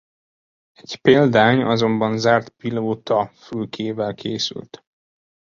Egy példány azonban zárt pilótafülkével készült.